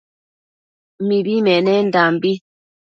Mibi menendanbi